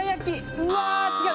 うわ違う。